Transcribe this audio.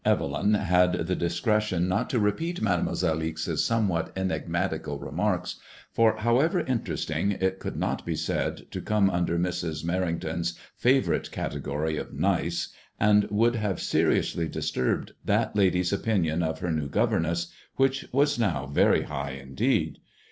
r)VELYN had the dis • cretion not to repeat j Mademoiselle Ixe's ' somewhat enigmatical [ recnarks, for howevei interesting, it could not be said to come under Mrs. Mer rington's fiavourite category of nice, and would have seriously disturbed that lady'a opinion of her new governess, which was now very high indeed.